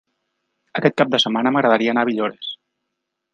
Aquest cap de setmana m'agradaria anar a Villores.